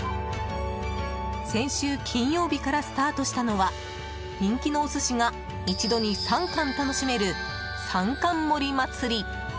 先週金曜日からスタートしたのは人気のお寿司が一度に３貫楽しめる三貫盛祭。